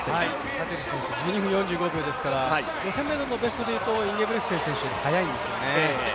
カティル選手１２分４５秒ですから、５０００ｍのベストでいうとインゲブリクセン選手より速いんですよね。